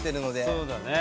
そうだね。